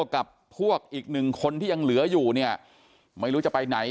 กับพวกอีกหนึ่งคนที่ยังเหลืออยู่เนี่ยไม่รู้จะไปไหน